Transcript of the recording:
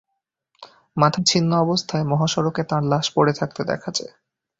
মাথা ছিন্ন অবস্থায় মহাসড়কে তাঁর লাশ পড়ে থাকতে দেখা যায়।